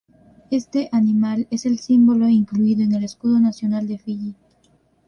Este animal es el símbolo incluido en el escudo nacional de Fiyi.